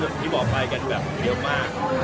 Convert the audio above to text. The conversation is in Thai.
อ๋อคือว่าจริงก็นั้นพี่บอกไปแบบเยี่ยมมาก